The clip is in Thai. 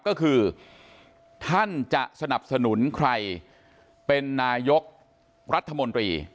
ก็คือท่านจะสนับสนุนใครเป็นนายกรัฐมนตรี